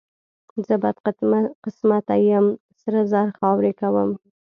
زه بدقسمته یم، سره زر خاورې کوم.